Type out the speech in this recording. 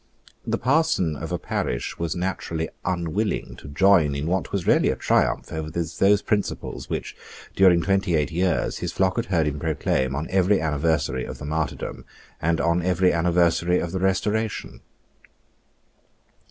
The parson of a parish was naturally unwilling to join in what was really a triumph over those principles which, during twenty eight years, his flock had heard him proclaim on every anniversary of the Martyrdom and on every anniversary of the Restoration.